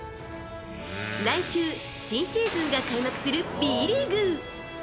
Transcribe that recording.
来週、新シーズンが開幕するＢリーグ。